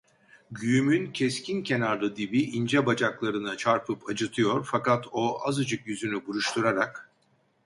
Güğümün keskin kenarlı dibi ince bacaklarına çarpıp acıtıyor, fakat o, azıcık yüzünü buruşturarak: